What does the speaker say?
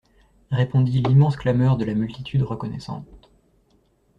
Répondit l'immense clameur de la multitude reconnaissante.